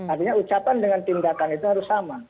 artinya ucapan dengan tindakan itu harus sama